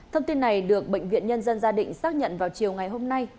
thông tin này được bệnh viện nhân dân gia định xác nhận vào chiều ngày hôm nay